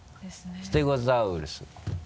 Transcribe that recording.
ステゴサウルス。